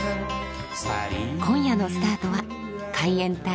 今夜のスタートは海援隊